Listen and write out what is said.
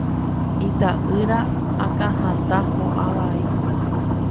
ita'ýra akãhatã ho'a vai.